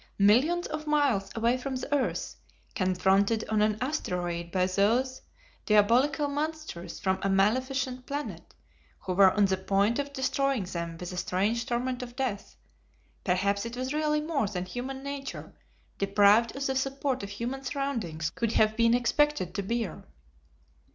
Millions of miles away from the earth, confronted on an asteroid by these diabolical monsters from a maleficient planet, who were on the point of destroying them with a strange torment of death perhaps it was really more than human nature, deprived of the support of human surroundings, could have been expected to bear.